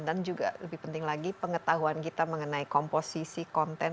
dan juga lebih penting lagi pengetahuan kita mengenai komposisi konten